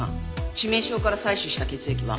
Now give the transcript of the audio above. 致命傷から採取した血液は？